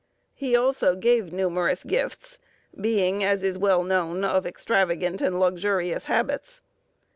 He also gave numerous gifts, being, as is well known, of extravagant and luxurious habits.